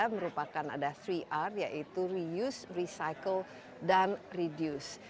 merupakan ada tiga r yaitu reuse recycle dan reduce